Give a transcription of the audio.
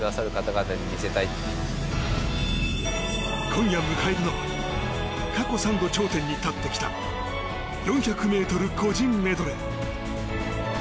今夜、迎えるのは過去３度、頂点に立ってきた４００ｍ個人メドレー。